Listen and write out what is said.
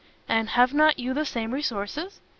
"And have not you the same resources?"